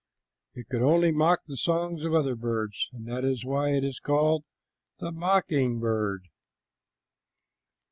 It could only mock the songs of other birds, and that is why it is called the mocking bird.